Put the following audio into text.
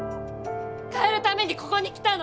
変えるためにここに来たの。